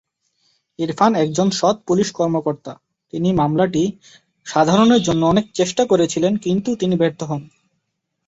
ইরফান একজন সৎ পুলিশ কর্মকর্তা ।তিনি মামলাটি সমাধানের জন্য অনেক চেষ্টা করেছিলেন কিন্তু তিনি ব্যর্থ হন।